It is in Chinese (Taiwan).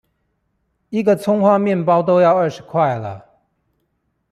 一個蔥花麵包都要二十塊了！